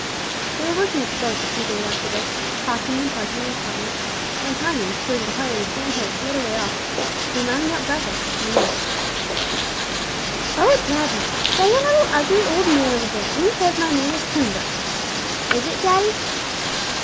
They were working at the boat a few days after this, caulking, and plugging, and tarring, when Tiny, who had been playing on the sandhills a little way off, came running up breathless with some news. [Illustration: TINY AND THE OLD MAN. (See page 130.)] "Oh, daddy! there's a little ugly, old man over there, and he says my name is Coomber. Is it, daddy?"